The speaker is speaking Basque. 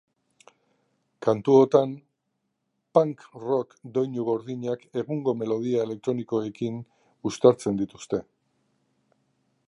Kantuotan, punk-rock doinu gordinak egungo melodia elektronikoekin uztartzen dituzte.